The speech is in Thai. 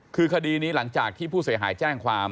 คือคดีนี้หลังจากที่ผู้เสียหายแจ้งความ